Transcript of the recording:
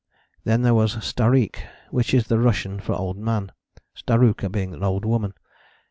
" Then there was Stareek (which is the Russian for old man, starouka being old woman).